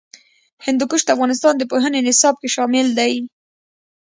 هندوکش د افغانستان د پوهنې نصاب کې شامل دي.